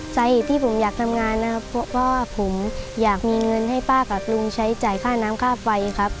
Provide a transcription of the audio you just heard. สาเหตุที่ผมอยากทำงานนะครับเพราะว่าผมอยากมีเงินให้ป้ากับลุงใช้จ่ายค่าน้ำค่าไฟครับ